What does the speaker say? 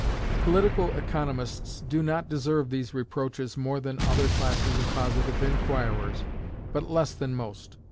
Political economists do not deserve these reproaches more than other classes of positive inquirers, but less than most.